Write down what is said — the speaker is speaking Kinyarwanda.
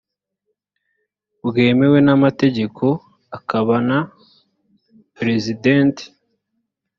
bwemewe n amategeko akaba na pr sident